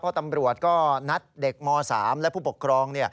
เพราะตำรวจก็นัดเด็กม๓และผู้ปกครอง